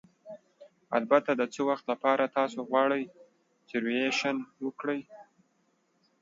البته، د څه وخت لپاره تاسو غواړئ ریزرویشن وکړئ؟